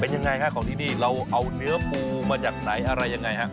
ยังไงฮะของที่นี่เราเอาเนื้อปูมาจากไหนอะไรยังไงฮะ